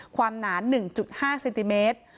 ความหนา๑๕เซนติเมตร